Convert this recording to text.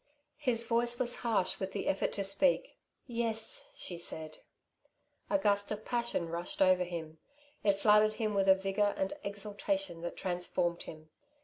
His voice was harsh with the effort to speak. "Yes," she said. A gust of passion rushed over him. It flooded him with a vigour, and exultation that transformed him.